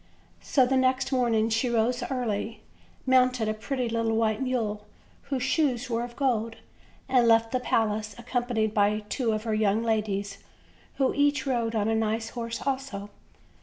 So the next morning she rose early, mounted a pretty little white mule, whose shoes were of gold, and left the palace accompanied by two of her young ladies, who each rode on a nice horse also.